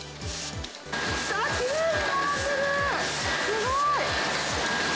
すごい！